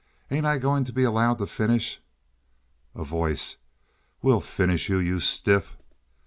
Ain't I goin' to be allowed to finish?" A Voice. "We'll finish you, you stiff!"